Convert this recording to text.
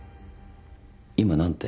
今何て？